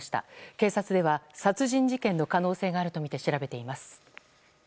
警察では殺人事件の可能性があるとみて調べています。